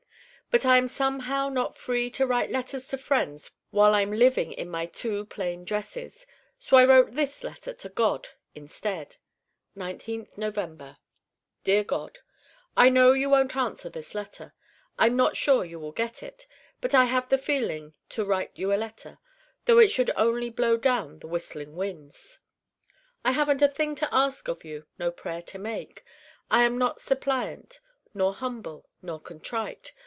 But I am somehow not free to write letters to friends while I'm living in my two plain dresses. So I wrote this letter to God instead: 19th November. Dear God: I know you won't answer this letter. I'm not sure you will get it. But I have the feeling to write you a letter, though it should only blow down the whistling winds. I haven't a thing to ask of you: no prayer to make. I am not suppliant nor humble nor contrite.